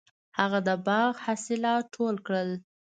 هغه د باغ حاصلات ټول کړل.